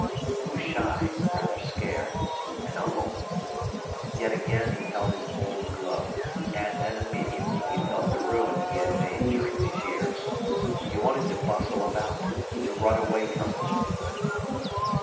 He was shy, rather scared, and humble. Yet again he felt his old glow. And then immediately he felt the ruin he had made during these years. He wanted to bustle about, to run away from it.